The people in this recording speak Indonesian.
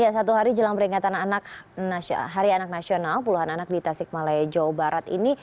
satu hari jelang peringatan hari anak nasional puluhan anak di tasik malaya jawa barat ini